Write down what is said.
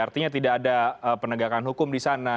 artinya tidak ada penegakan hukum di sana